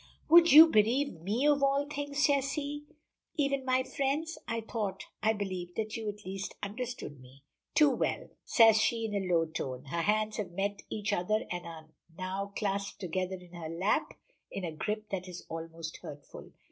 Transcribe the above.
"Would you bereave me of all things," says he, "even my friends? I thought I believed, that you at least understood me." "Too well!" says she in a low tone. Her hands have met each other and are now clasped together in her lap in a grip that is almost hurtful.